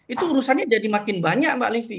itu urusannya jadi makin banyak mbak livi